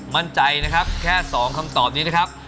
มั่นใจนะครับแค่๒คำตอบนี้นะครับ